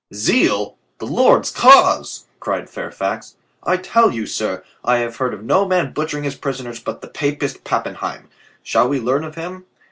"Zeal! The Lord's cause!" cried Fairfax. "I tell you, sir, I have heard of no man butchering his prisoners but the Papist Pappenheim. Shall we learn of him?